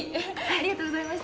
ありがとうございます。